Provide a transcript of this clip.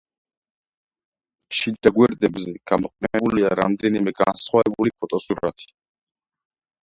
შიდა გვერდებზე გამოყენებულია რამდენიმე განსხვავებული ფოტოსურათი.